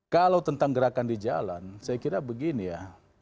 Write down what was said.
kalau tentang gerakan di jalan saya kira begini ya